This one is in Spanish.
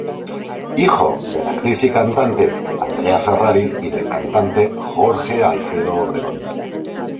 Hijo de la actriz y cantante Andrea Ferrari y del cantante Jorge Alfredo Obregón.